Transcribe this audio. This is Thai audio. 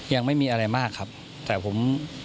ยังไม่มีอะไรมากครับแต่ผม